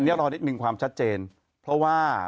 อันนี้รอนิดนึงความชัดเจนเพราะว่า